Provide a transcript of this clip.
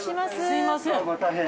すいません。